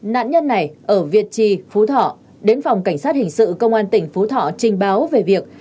nạn nhân này ở việt trì phú thọ đến phòng cảnh sát hình sự công an tỉnh phú thọ trình báo về việc